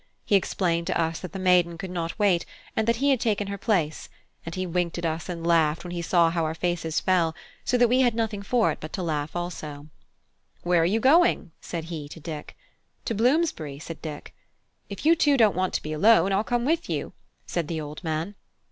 He explained to us that the maiden could not wait, and that he had taken her place; and he winked at us and laughed when he saw how our faces fell, so that we had nothing for it but to laugh also "Where are you going?" said he to Dick. "To Bloomsbury," said Dick. "If you two don't want to be alone, I'll come with you," said the old man.